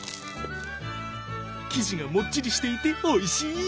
生地がもっちりしていて美味しい！